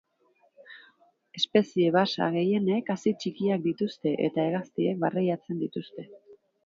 Espezie basa gehienek hazi txikiak dituzte, eta hegaztiek barreiatzen dituzte.